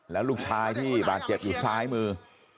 แล้วลูกชายที่บาดเจ็บอยู่ซ้ายมือ